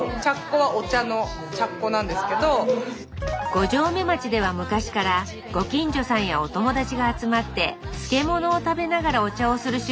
五城目町では昔からご近所さんやお友達が集まって漬物を食べながらお茶をする習慣があるそう